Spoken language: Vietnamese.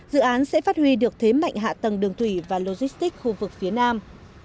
dự án sẽ phát huy được thế mạnh hạ tầng đường thủy và logistics khu vực phía nam